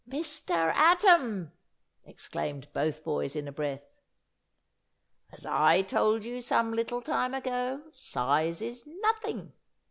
"Mr. Atom!" exclaimed both boys in a breath. "As I told you some little time ago, size is nothing.